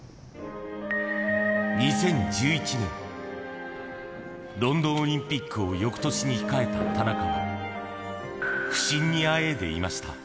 ２０１１年、ロンドンオリンピックをよくとしに控えた田中は、不振にあえいでいました。